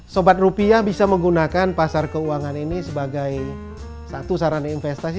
sobat rupiah bisa menggunakan pasar keuangan ini sebagai satu sarana investasi